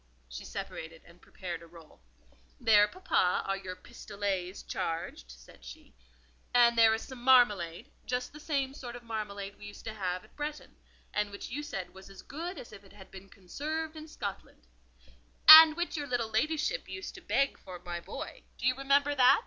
She separated and prepared a roll. "There, papa, are your 'pistolets' charged," said she. "And there is some marmalade, just the same sort of marmalade we used to have at Bretton, and which you said was as good as if it had been conserved in Scotland—" "And which your little ladyship used to beg for my boy—do you remember that?"